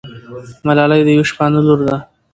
ملالۍ د یوه شپانه لور ده.